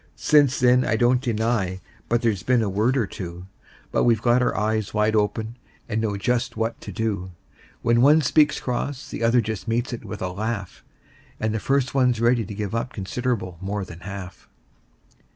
Since then I don't deny but there's been a word or two; But we've got our eyes wide open, and know just what to do: When one speaks cross the other just meets it with a laugh, And the first one's ready to give up considerable more than half.